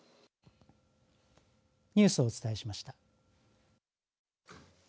ニュースをお伝えしました。